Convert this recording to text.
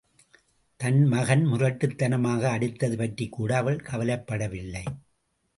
தன் மகன் முரட்டுத்தனமாக அடித்தது பற்றிக்கூட, அவள் கவலைப்படவில்லை.